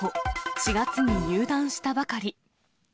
４月に入団したばかり。